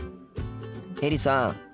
エリさん